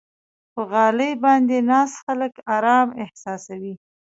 په غالۍ باندې ناست خلک آرام احساسوي.